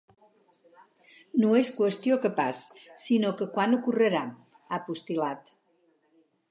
“No és qüestió que pas, sinó de quan ocorrerà”, ha postil·lat.